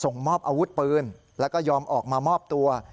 มอบอาวุธปืนแล้วก็ยอมออกมามอบตัว